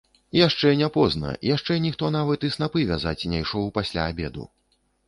Яшчэ не позна, яшчэ ніхто нават і снапы вязаць не ішоў пасля абеду.